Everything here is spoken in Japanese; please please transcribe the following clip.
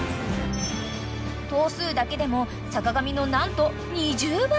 ［頭数だけでも坂上の何と２０倍］